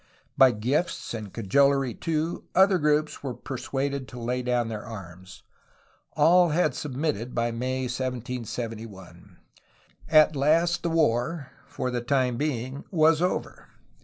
By gifts and cajolery, too, other groups were per suaded to lay down their arms. All had submitted by May 1771. At last the war, for the time being, was over.